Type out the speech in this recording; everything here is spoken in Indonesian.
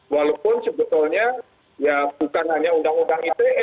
walaupun sebetulnya ya bukan hanya undang undang ite